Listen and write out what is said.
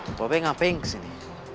mbak b ngapain kesini